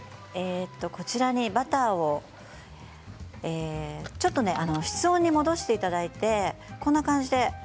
こちらにバターを室温に戻していただいてこんな感じです